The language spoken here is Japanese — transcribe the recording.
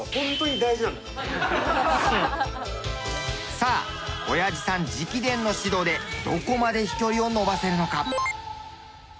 さあ親父さん直伝の指導でどこまで飛距離を伸ばせるのか？